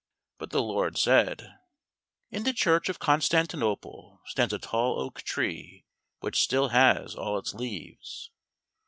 But the Lord said, "In the church of Constantinople stands a tall oak tree which still has all its leaves."